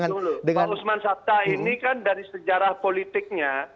pak osman sabta ini kan dari sejarah politiknya